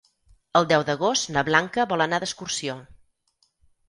El deu d'agost na Blanca vol anar d'excursió.